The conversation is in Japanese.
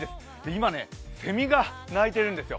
今、セミが鳴いているんですよ。